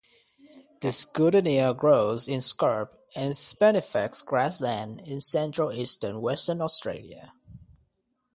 This goodenia grows in scrub and spinifex grassland in central eastern Western Australia.